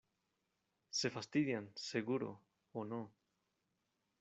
se fastidian. seguro . o no .